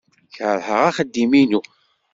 Keṛheɣ axeddim-inu.